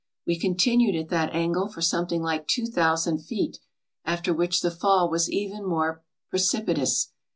We con tinued at that angle for something like two thousand feet, after which the fall was even more precipitous.